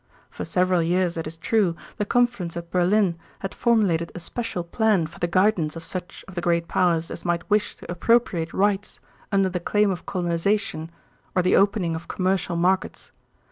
For several years, it is true, the Conference at Berlin had formulated a special plan for the guidance of such of the great powers as might wish to appropriate rights under the claim of colonization or the opening of commercial markets.